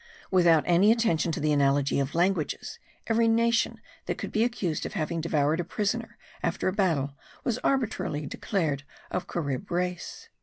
Without any attention to the analogy of languages, every nation that could be accused of having devoured a prisoner after a battle was arbitrarily declared of Carib race.